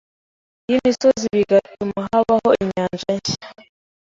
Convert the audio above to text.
y'imisozibigatuma habaho inyanja nshya